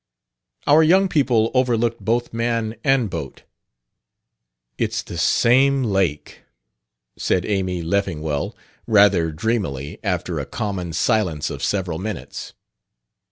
Our young people overlooked both man and boat. "It's the same lake," said Amy Leffingwell, rather dreamily, after a common silence of several minutes.